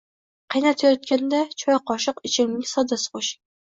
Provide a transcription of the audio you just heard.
Qaynatayotganda choy qoshiq ichimlik sodasi qo'shing